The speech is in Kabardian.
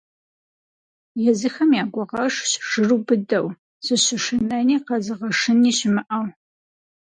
Езыхэм я гугъэжщ жыру быдэу, зыщышынэни къэзыгъэшыни щымыӀэу.